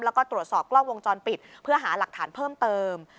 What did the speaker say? แล้วก็ตรวจสอบกล้องวงจรปิดเพื่อหาหลักฐานเพิ่มเติม